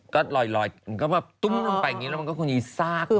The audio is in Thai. ก็ลอยมันก็ตุ้งลงไปมันก็คงจะซาก